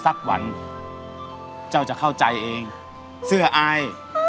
สักวันเจ้าจะเข้าใจเองเสื้ออาย